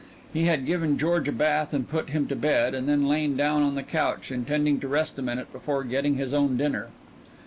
He had given George a bath and put him to bed, and then lain down on the couch intending to rest a minute before getting his own dinner.